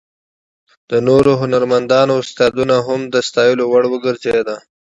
د نورو هنرمندانو استعداد هم د ستایلو وړ وګرځېد.